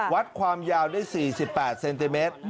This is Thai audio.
วัดความยาวได้๔๘เซนติเมตร